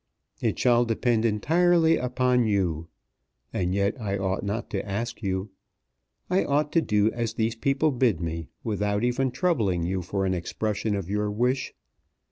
"It shall depend entirely upon you. And yet I ought not to ask you. I ought to do as these people bid me without even troubling you for an expression of your wish.